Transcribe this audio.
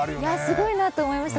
すごいなと思いました。